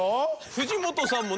藤本さんもね